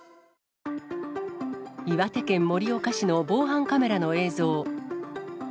岩手県盛岡市の防犯カメラの映像。